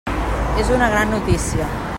És una gran notícia.